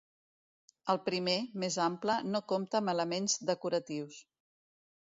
El primer, més ample, no compta amb elements decoratius.